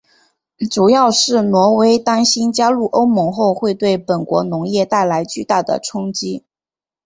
主要是挪威担心加入欧盟后会对本国农业带来巨大的冲击。